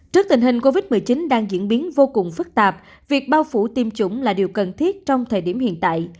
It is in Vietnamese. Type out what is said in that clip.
trước tình hình covid một mươi chín đang diễn biến vô cùng phức tạp việc bao phủ tiêm chủng là điều cần thiết trong thời điểm hiện tại